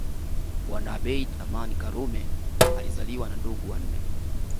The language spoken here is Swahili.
Bwana Abeid Amani Karume alizaliwa na ndugu wanne